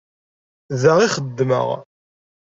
Da i xeddmeɣ.